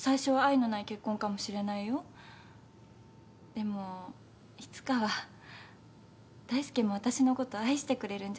でもいつかは大介も私のこと愛してくれるんじゃないかって。